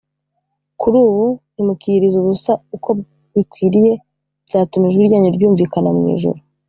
kuri ubu ntimukiyiriza ubusa uko bikwiriye byatuma ijwi ryanyu ryumvikana mu ijuru